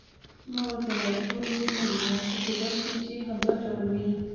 ما ورته وویل: ټول یې نه وینم، خو کېدای شي چې همدا ټول وي.